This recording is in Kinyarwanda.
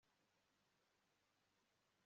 impamvu zitera abantu kwiba